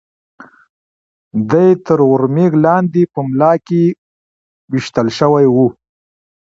دی تر ور مېږ لاندې په ملا کې وېشتل شوی و.